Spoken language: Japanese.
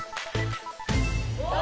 お！